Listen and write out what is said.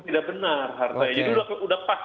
tidak benar jadi itu sudah pas